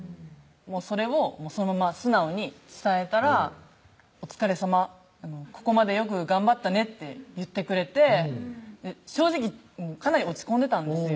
それをそのまま素直に伝えたら「お疲れさまここまでよく頑張ったね」って言ってくれて正直かなり落ち込んでたんですよ